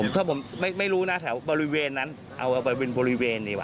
ถ้าผมไม่รู้แถวบริเวณนั้นเอาไปบริเวณนี้ว่ะ